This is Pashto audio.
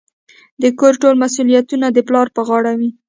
د کور ټول مسوليتونه د پلار په غاړه وي.